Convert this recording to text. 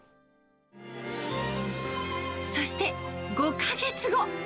そして、５か月後。